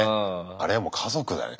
あれはもう家族だね